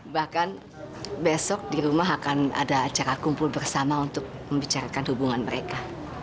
bahkan besok di rumah akan ada acara kumpul bersama untuk membicarakan hubungan mereka